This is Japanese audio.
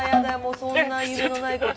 そんな夢のないこと。